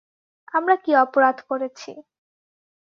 আমরা কী অপরাধ করেছি!